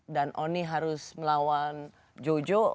dan oni harus melawan jojo